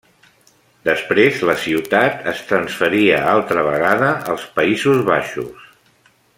Després la ciutat es transferia altra vegada als Països Baixos.